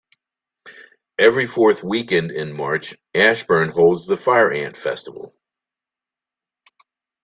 Every fourth weekend in March, Ashburn holds the Fire Ant Festival.